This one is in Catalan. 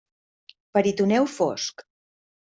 Peritoneu fosc.